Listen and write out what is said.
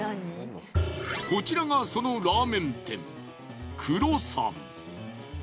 こちらがそのラーメン店９６３。